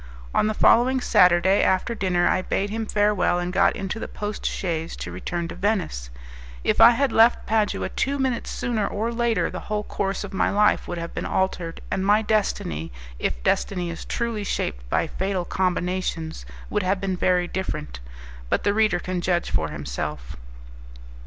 On the following Saturday, after dinner, I bade him farewell, and got into the post chaise to return to Venice. If I had left Padua two minutes sooner or later, the whole course of my life would have been altered, and my destiny, if destiny is truly shaped by fatal combinations, would have been very different. But the reader can judge for himself.